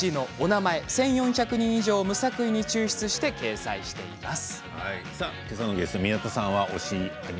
皆さんの推しのお名前１４００人以上を無作為に抽出して掲載しています。